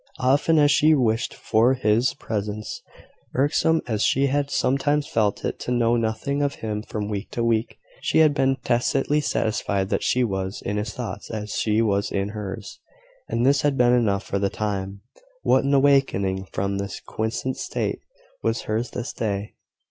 Often as she wished for his presence, irksome as she had sometimes felt it to know nothing of him from week to week, she had been tacitly satisfied that she was in his thoughts as he was in hers; and this had been enough for the time. What an awakening from this quiescent state was hers this day!